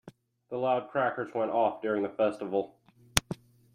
The loud crackers went off during the festival.